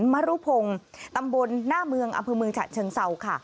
ทรณ์มรุพงศ์ตำบลหน้าเมืองอเมืองจันทน์เชิงเศร้า